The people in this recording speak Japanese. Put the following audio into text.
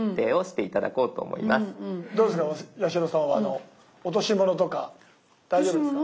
どうですか八代さんは落とし物とか大丈夫ですか？